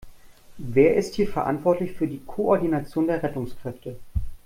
Wer ist hier verantwortlich für die Koordination der Rettungskräfte?